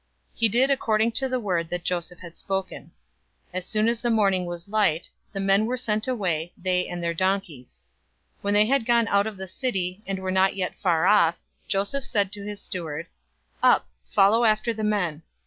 He did according to the word that Joseph had spoken. 044:003 As soon as the morning was light, the men were sent away, they and their donkeys. 044:004 When they had gone out of the city, and were not yet far off, Joseph said to his steward, "Up, follow after the men.